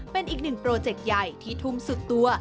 เป็นอีกหนึ่งโปรเจกต์ใหญ่ที่ทุ่มสุดตัว